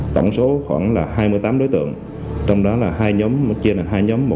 tổng số khoảng là hai mươi tám đối tượng trong đó là hai nhóm chia là hai nhóm